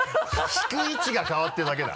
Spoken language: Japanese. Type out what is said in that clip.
引く位置が変わってるだけだ。